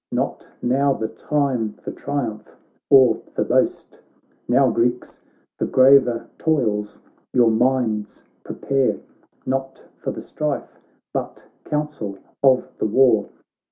Not now the time for triumph or for boast. Now, Greeks I forgravertoilsj'ourminds prepare. Not for the strife, but council of the war.